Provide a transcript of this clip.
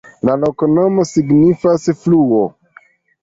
La loknomo signifas: fluo.